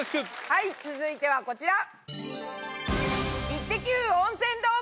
はい続いてはこちら！